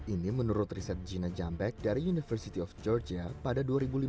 ini menurut riset gina jambek dari university of georgia pada dua ribu lima belas